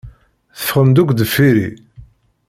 Teffɣem-d akk deffir-i.